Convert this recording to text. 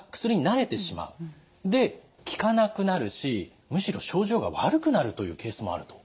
で効かなくなるしむしろ症状が悪くなるというケースもあると。